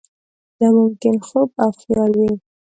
دا ممکن خوب او خیال وي.